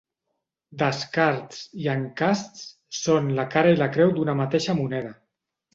Descarts i encasts són la cara i la creu d'una mateixa moneda.